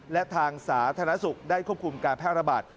และทางสาธารณสุขได้ควบคุมการแพร่ระบาด